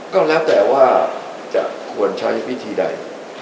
ก็แล้วแต่ว่าจะควรใช้วิธีใด